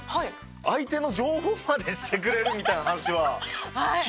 相手の情報までしてくれるみたいな話は。